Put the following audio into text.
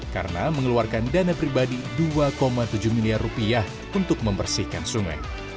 karena mengeluarkan dana pribadi dua tujuh miliar rupiah untuk membersihkan sungai